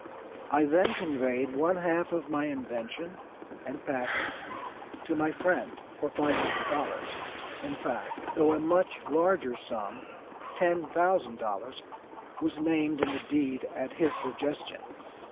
"I then conveyed one half of my invention and patent to my friend, for five hundred dollars; in fact, though a much larger sum (ten thousand dollars) was named in the deed at his suggestion.